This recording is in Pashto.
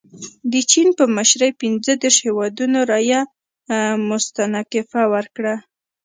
د چین په مشرۍ پنځه دېرش هیوادونو رایه مستنکفه ورکړه.